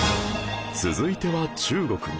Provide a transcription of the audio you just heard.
続いては中国